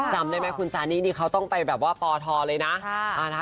จำได้ไหมคุณซานิเค้าต้องไปแบบว่าป่อทอเลยนะ